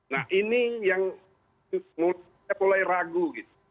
nah ini yang saya mulai ragu gitu